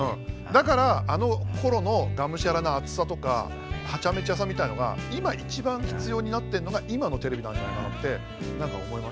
だからあのころのがむしゃらな熱さとかはちゃめちゃさみたいなのが今一番必要になってるのが今のテレビなんじゃないかなって何か思いましたね。